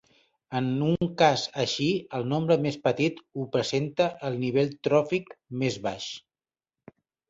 En un cas així el nombre més petit ho presenta el nivell tròfic més baix.